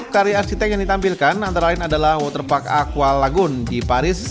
sepuluh karya arsitekt yang ditampilkan antara lain adalah waterpark aqua lagoon di paris